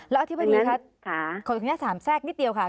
ออรนี่น่ะขอถามแซกนิดเดียวค่ะ